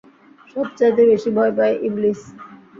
সবচাইতে বেশি ভয় পায় ইবলীস।